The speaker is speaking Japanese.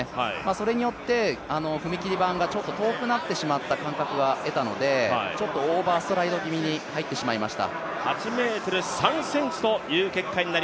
それによって踏み切り板が遠くなってしまった感覚を得たので、ちょっとオーバーストライド気味に入ってしましました。